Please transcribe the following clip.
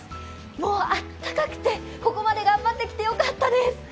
もうあったかくてここまで頑張ってきてよかったです。